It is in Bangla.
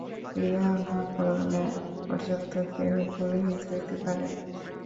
বিবাহ না করা পর্যন্ত কেহ পুরোহিত হইতে পারে না।